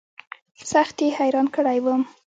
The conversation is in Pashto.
سخت يې حيران کړى وم.